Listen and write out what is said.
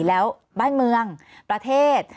แล้วบ้านเมืองประเทศ